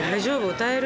歌える？